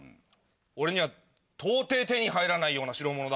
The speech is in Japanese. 俺には到底手に入らないような代物だからね。